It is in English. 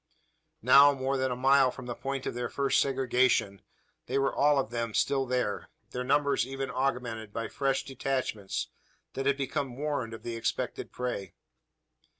Now more than a mile from the point of their first segregation, they were all of them still there their numbers even augmented by fresh detachments that had become warned of the expected prey.